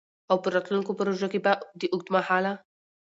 او په راتلونکو پروژو کي به د اوږدمهاله